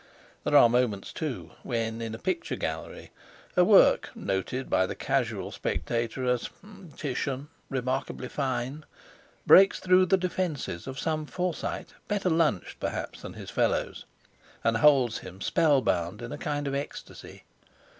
There are moments, too, when in a picture gallery, a work, noted by the casual spectator as "*Titian—remarkably fine," breaks through the defences of some Forsyte better lunched perhaps than his fellows, and holds him spellbound in a kind of ecstasy.